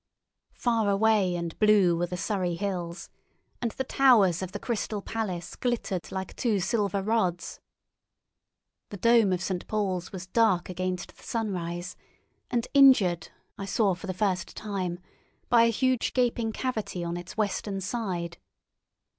Far away and blue were the Surrey hills, and the towers of the Crystal Palace glittered like two silver rods. The dome of St. Paul's was dark against the sunrise, and injured, I saw for the first time, by a huge gaping cavity on its western side.